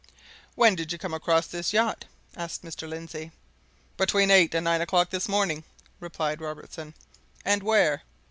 "When did you come across this yacht?" asked Mr. Lindsey. "Between eight and nine o'clock this morning," replied Robertson. "And where?"